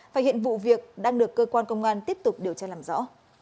và hiện vụ việc đang được cơ quan công an tiếp tục điều tra làm rõ